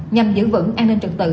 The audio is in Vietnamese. nhằm giữ vững an ninh trật tự